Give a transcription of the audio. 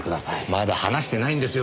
まだ話してないんですよ